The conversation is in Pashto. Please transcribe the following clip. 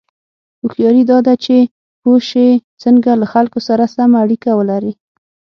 هوښیاري دا ده چې پوه شې څنګه له خلکو سره سمه اړیکه ولرې.